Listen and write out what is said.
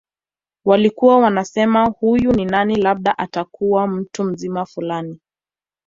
Walikuwa wanasema huyu ni nani labda atakuwa mtu mzima fulani